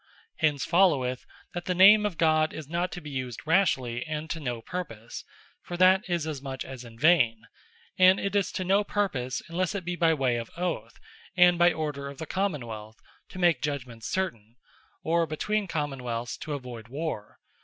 Hence followeth, That the name of God is not to be used rashly, and to no purpose; for that is as much, as in Vain: And it is to no purpose; unlesse it be by way of Oath, and by order of the Common wealth, to make Judgements certain; or between Common wealths, to avoyd Warre.